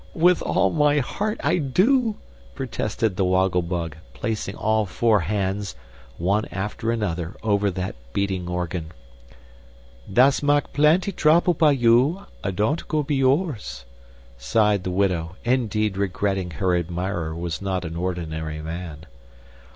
With all my heart I do!" protested the Woggle Bug, placing all four hands, one after another, over that beating organ. "Das mak plenty trouble by you. I don'd could be yours!" sighed the widow, indeed regretting her admirer was not an ordinary man.